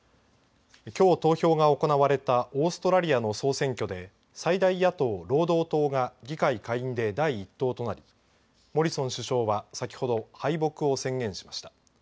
きょう投票が行われたオーストラリアの総選挙で最大野党・労働党が議会下院で第１党となりモリソン首相は、先ほど敗北を宣言しました。